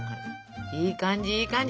いい感じいい感じ。